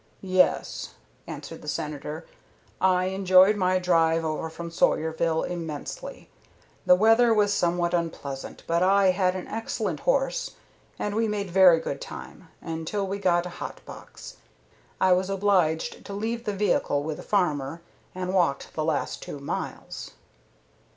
"Yes," answered the Senator. "I enjoyed my drive over from Sawyerville immensely. The weather was somewhat unpleasant, but I had an excellent horse and we made very good time, until we got a hot box. I was obliged to leave the vehicle with a farmer, and walked the last two miles."